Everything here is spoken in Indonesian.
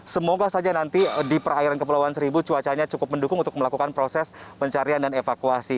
semoga saja nanti di perairan kepulauan seribu cuacanya cukup mendukung untuk melakukan proses pencarian dan evakuasi